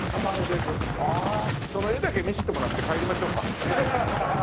あその絵だけ見せてもらって帰りましょうか。